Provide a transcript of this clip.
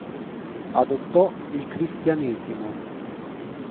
Adottò il cristianesimo.